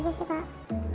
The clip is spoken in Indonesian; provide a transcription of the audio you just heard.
itu aja sih pak